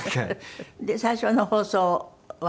で最初の放送は。